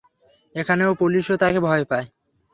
এখানের পুলিশও তাকে ভয় পায়।